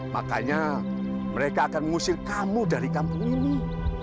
makanya mereka akan mengusir kamu dari kampung ini